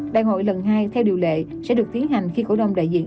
đại hội lần hai theo điều lệ sẽ được tiến hành khi cổ đông đại diện